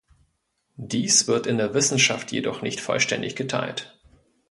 Dies wird in der Wissenschaft jedoch nicht vollständig geteilt.